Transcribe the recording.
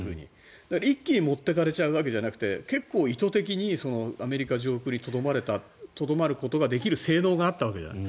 一気に持っていかれちゃうわけじゃなくて結構、意図的にアメリカ上空にとどまることができる性能があったわけじゃない。